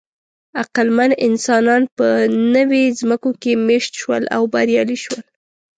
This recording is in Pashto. عقلمن انسانان په نوې ځمکو کې مېشت شول او بریالي شول.